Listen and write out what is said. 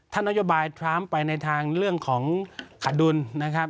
ถ้านโยบายทรัมป์ไปในทางเรื่องของขาดดุลนะครับ